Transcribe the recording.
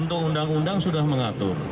untuk undang undang sudah mengatur